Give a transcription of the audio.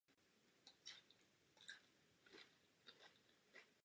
Rodinné klany měly své starší představitele a náčelníky a také svá shromáždění.